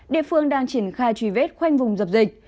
địa phương đang triển khai truy vết khoanh vùng dập dịch